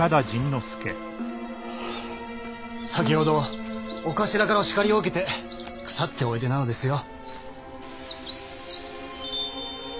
先ほど長官からお叱りを受けて腐っておいでなのですよ。